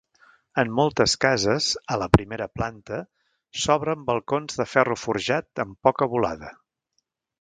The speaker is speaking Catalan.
En moltes cases, a la primera planta, s'obren balcons de ferro forjat amb poca volada.